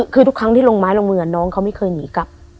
คือทุกครั้งที่ลงไม้ลงมือน้องเขาไม่เคยหนีกลับ